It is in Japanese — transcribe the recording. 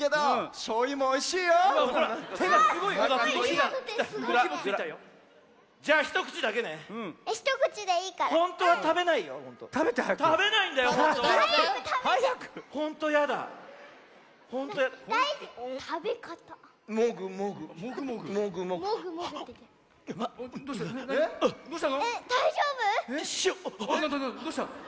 どうした？